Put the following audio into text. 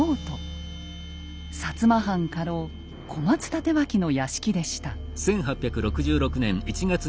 摩藩家老小松帯刀の屋敷でした。